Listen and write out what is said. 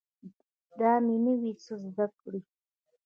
دا مې نوي څه زده کړي